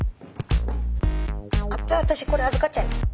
あっじゃあ私これ預かっちゃいます。